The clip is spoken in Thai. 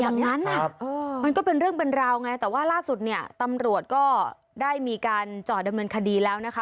อย่างนั้นมันก็เป็นเรื่องเป็นราวไงแต่ว่าล่าสุดเนี่ยตำรวจก็ได้มีการจอดดำเนินคดีแล้วนะคะ